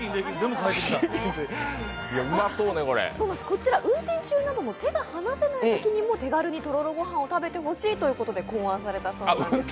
こちら運転中など手が離せないときなども手軽にとろろ御飯を食べてほしいということで考案されたそうです。